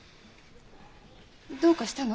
どうかしたの？